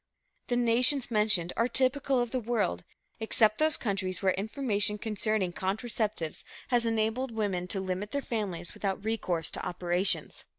The nations mentioned are typical of the world, except those countries where information concerning contraceptives has enabled women to limit their families without recourse to operations.